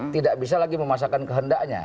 tidak bisa lagi memaksakan kehendaknya